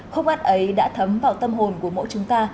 khúc át ấy đã thấm vào tâm hồn của mỗi chúng ta